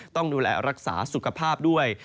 ต้องดูแลรักษาสุขภาพด้วย